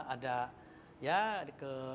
ada ya ke